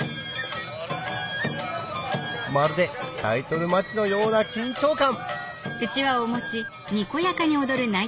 まるでタイトルマッチのような緊張感